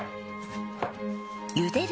ゆでる